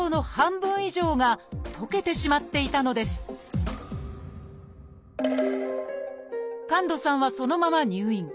なんと神門さんはそのまま入院。